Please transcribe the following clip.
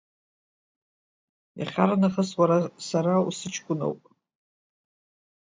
Иахьарнахыс уара сара усыҷкәыноуп.